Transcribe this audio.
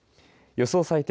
予想最低